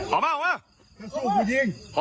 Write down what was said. ออกมา๒หนีไป๘